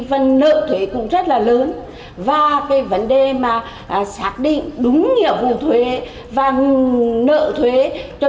phần nợ thuế cũng rất là lớn và cái vấn đề mà xác định đúng nghĩa thuế và nợ thuế cho